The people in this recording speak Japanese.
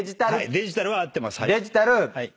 デジタルは合ってます。